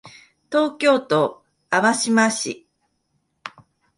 東京都昭島市